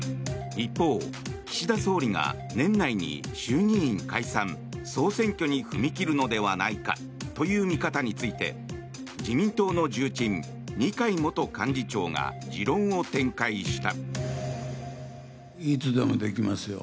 一方、岸田総理が年内に衆議院解散・総選挙に踏み切るのではないかという見方について自民党の重鎮、二階元幹事長が持論を展開した。